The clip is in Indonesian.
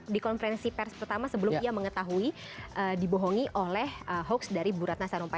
di konferensi pers pertama sebelum ia mengetahui dibohongi oleh ho chi minh